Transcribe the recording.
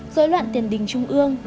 dối loạn tiền đình trung ương